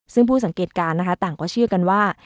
ซึ่งผู้สังเกตการณ์นะคะต่างก็เชื่อกันว่า